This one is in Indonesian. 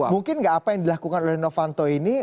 mungkin nggak apa yang dilakukan oleh novanto ini